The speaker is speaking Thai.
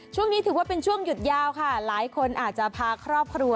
ช่วงนี้ถือว่าเป็นช่วงหยุดยาวค่ะหลายคนอาจจะพาครอบครัว